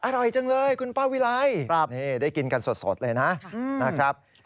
อร่อยจังเลยคุณป้าวิไลได้กินกันสดเลยนะครับ